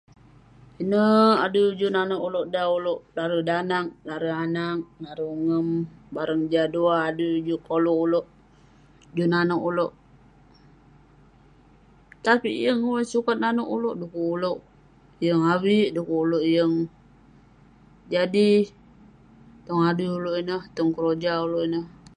pinek adui juk nanouk ulouk dan ulouk larui danag, larui anag, larui ungem, bareng jah duah adui juk koluk ulouk, juk nanouk ulouk, tapik yeng eh sukat nanouk ulouk du'kuk ulouk yeng avik, du'kuk ulouk yeng jadi..tong adui ulouk ineh, tong keroja ulouk ineh